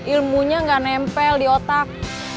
ilmunya gak nempel di otak